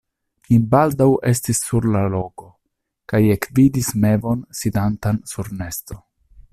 Mi baldaŭ estis sur la loko, kaj ekvidis mevon sidantan sur nesto.